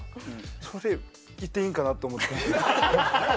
それ行っていいかなと思って。